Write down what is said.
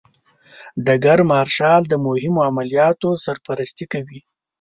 ډګر مارشال د مهمو عملیاتو سرپرستي کوي.